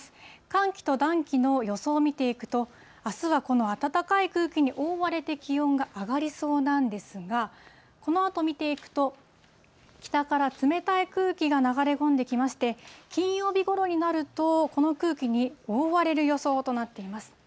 寒気と暖気の予想を見ていくと、あすはこの暖かい空気に覆われて気温が上がりそうなんですが、このあと見ていくと、北から冷たい空気が流れ込んできまして、金曜日ごろになると、この空気に覆われる予想となっています。